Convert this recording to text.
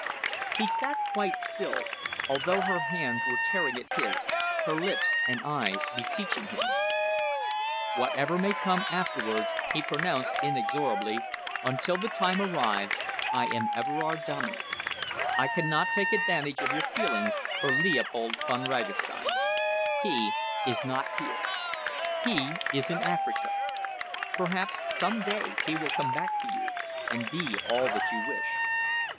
He sat quite still, although her hands were tearing at his, her lips and eyes beseeching him. "Whatever may come afterwards," he pronounced inexorably, "until the time arrives I am Everard Dominey. I cannot take advantage of your feelings for Leopold Von Ragastein. He is not here. He is in Africa. Perhaps some day he will come back to you and be all that you wish."